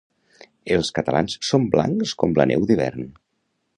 Els catalans som blancs com la neu d'hivern